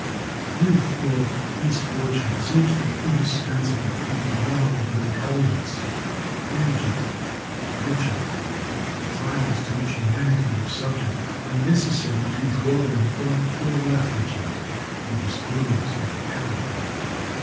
Grief or misfortune seems to be indispensable to the development of intelligence, energy, and virtue. The trials to which humanity are subject are necessary to draw them from their lethargy, to disclose their character.